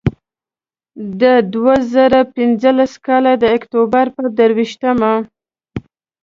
د دوه زره پینځلس کال د اکتوبر پر درویشتمه.